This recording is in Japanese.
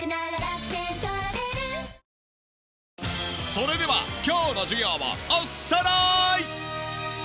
それでは今日の授業をおさらい！